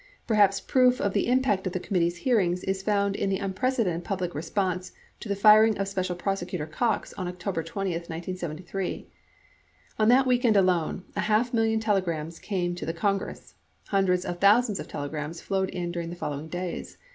Perhaps proof of the impact of the committee's hearings is found in the unprecedented public response to the firing of Special Prosecu tor Cox on October 20, 1973. On that weekend alone, a half million telegrams came to the Congress. Hundreds of thousands of telegrams flowed in during the following days.